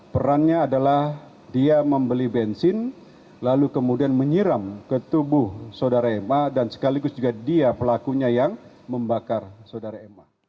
perannya adalah dia membeli bensin lalu kemudian menyiram ke tubuh saudara ma dan sekaligus juga dia pelakunya yang membakar saudara ma